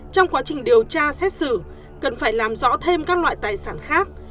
trong quá trình điều tra xét xử cần phải làm rõ thêm các loại tài sản khác